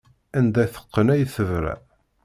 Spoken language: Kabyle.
Anda teqqen ay tebra.